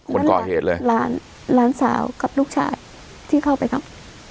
คนก่อเหตุเลยหลานหลานสาวกับลูกชายที่เข้าไปทำ